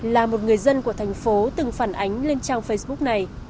là một người dân của thành phố từng phản ánh lên trang facebook này